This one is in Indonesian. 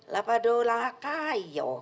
lah padahal lah kayo